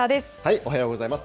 おはようございます。